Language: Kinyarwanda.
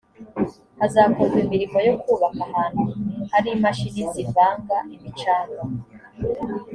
hazakorwa imirimo yo kubaka ahantu hari imashini zivanga imicanga